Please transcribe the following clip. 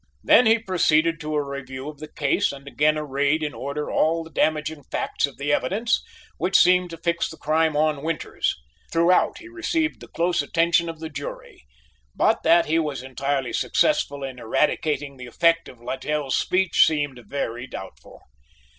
Then he proceeded to a review of the case and again arrayed in order all the damaging facts of the evidence, which seemed to fix the crime on Winters. Throughout he received the close attention of the jury, but that he was entirely successful in eradicating the effect of Littell's speech seemed very doubtful.